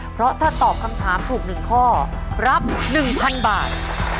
เพราะถ้าตอบคำถามถูก๑ข้อรับ๑๐๐๐บาท